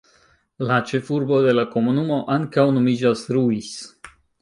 La ĉefurbo de la komunumo ankaŭ nomiĝas Ruiz.